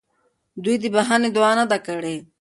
دوی د بخښنې دعا نه ده کړې.